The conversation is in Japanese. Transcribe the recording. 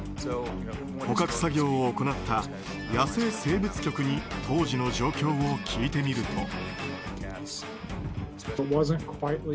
捕獲作業を行った野生生物局に当時の状況を聞いてみると。